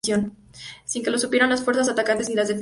Sin que lo supieran las fuerzas atacantes ni las defensoras.